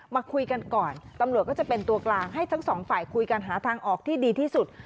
มาคุยกันก่อนตำรวจก็จะเป็นตัวกลางให้ทั้งสองฝ่ายคุยกันหาทางออกที่ดีที่สุด